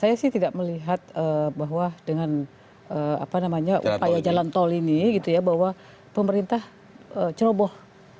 saya sih tidak melihat bahwa dengan upaya jalan tol ini gitu ya bahwa pemerintah ceroboh